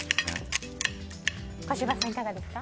小芝さん、いかがですか？